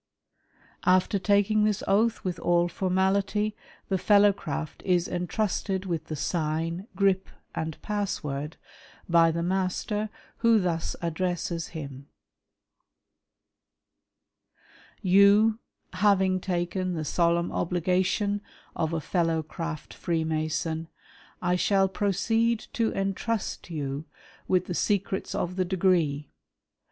After taking this oath with all formality, the Fellow Craft is entrusted with the sign, grip and pass word by the Master, who thus addresses him :—" You, having taken the solemn obligation of a Fellow Craft " Freemason, I shall proceed to entrust you with the secrets of •' the degree.